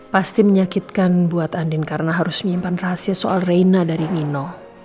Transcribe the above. pasti menyakitkan buat andin karena harus menyimpan rahasia soal reina dari nino